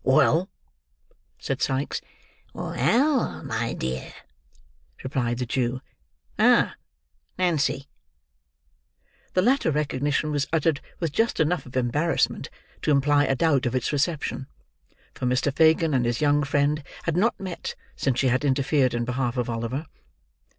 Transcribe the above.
"Well!" said Sikes. "Well, my dear," replied the Jew.—"Ah! Nancy." The latter recognition was uttered with just enough of embarrassment to imply a doubt of its reception; for Mr. Fagin and his young friend had not met, since she had interfered in behalf of Oliver.